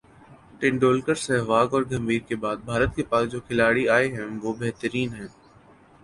ٹنڈولکر ، سہواگ اور گمبھیر کے بعد بھارت کے پاس جو کھلاڑی آئے ہیں وہ بہترین ہیں